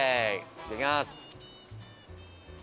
いただきます。